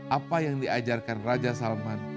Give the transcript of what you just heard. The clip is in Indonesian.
apa yang diajarkan raja salman